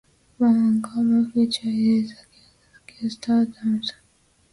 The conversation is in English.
One uncommon feature is the circular diaphragm.